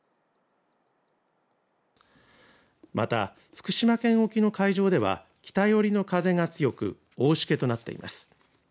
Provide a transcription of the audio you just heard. また、福島県沖の海上では北寄りの風が強く大しけとなっています。